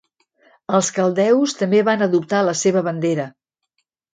Els caldeus també van adoptar la seva bandera.